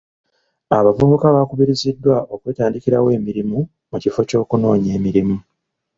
Abavubuka baakubiriziddwa okwetandikirawo emirimu mu kifo ky'okunoonya emirimu.